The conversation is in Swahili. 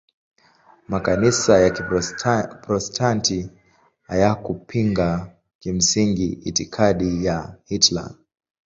Makanisa ya Kiprotestanti hayakupinga kimsingi itikadi ya Hitler.